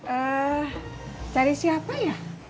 eh cari siapa ya